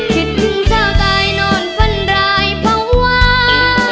คิดถึงเจ้าใจนอนฝันรายเพราะว่า